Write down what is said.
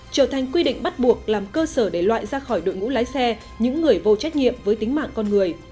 trở thành quy định bắt buộc làm cơ sở để loại ra khỏi đội ngũ lái xe những người vô trách nhiệm với tính mạng con người